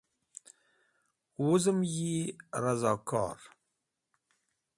Wuzem yi Razokor.